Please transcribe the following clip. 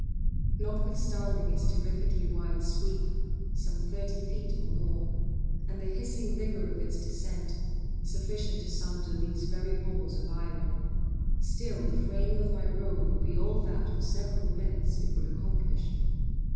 Notwithstanding its terrifically wide sweep (some thirty feet or more) and the hissing vigor of its descent, sufficient to sunder these very walls of iron, still the fraying of my robe would be all that, for several minutes, it would accomplish.